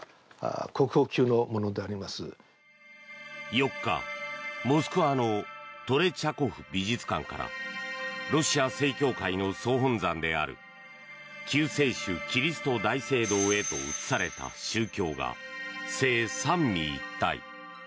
４日、モスクワのトレチャコフ美術館からロシア正教会の総本山である救世主キリスト大聖堂へと移された宗教画「聖三位一体」。